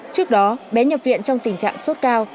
trước đó bé nhập viện trong tình trạng sốt cao